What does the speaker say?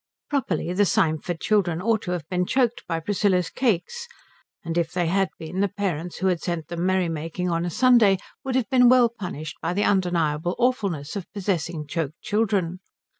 Properly, the Symford children ought to have been choked by Priscilla's cakes; and if they had been, the parents who had sent them merrymaking on a Sunday would have been well punished by the undeniable awfulness of possessing choked children.